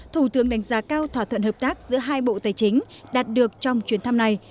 thủ tướng đánh giá cao thỏa thuận hợp tác giữa hai bộ tài chính đạt được trong chuyến thăm này